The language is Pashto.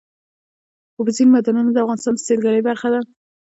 اوبزین معدنونه د افغانستان د سیلګرۍ برخه ده.